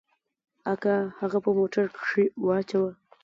اکا هغه په موټر کښې واچاوه.